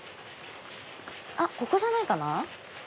ここじゃないかな？